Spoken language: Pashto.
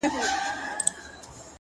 هدف روښانه وي نو قدمونه سمېږي